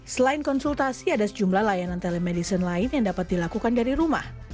selain konsultasi ada sejumlah layanan telemedicine lain yang dapat dilakukan dari rumah